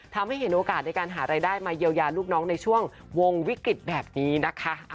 ทำให้เห็นโอกาสในการหารายได้มาเยียวยาลูกน้องในช่วงวงวิกฤตแบบนี้นะคะ